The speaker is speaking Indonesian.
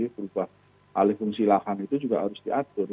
perubahan alih fungsi lahan itu juga harus diatur